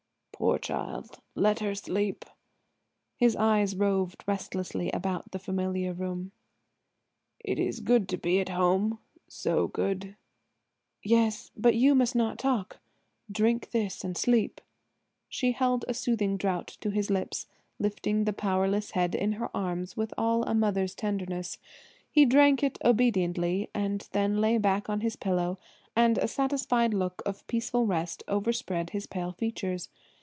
"Poor child; let her sleep." His eyes roved restlessly about the familiar room. "It is good to be at home–so good." "Yes–but you must not talk. Drink this and sleep." She held a soothing draught to his lips, lifting the powerless head in her arms with all a mother's tenderness. He drank it obediently and then lay back on his pillow and a satisfied look of peaceful rest overspread his pale features.